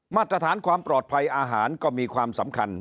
มาตรฐานความปลอดภัยอาหารก็มีความสำคัญ